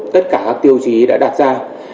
tất cả các tiêu chí đã đạt ra